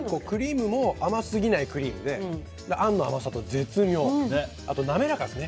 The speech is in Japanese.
クリームも甘すぎないクリームであんの甘さと絶妙。